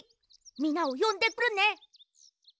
みんなをよんでくるね。